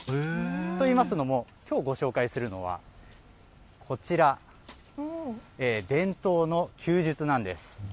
といいますのもきょう、ご紹介するのは伝統の弓術なんです。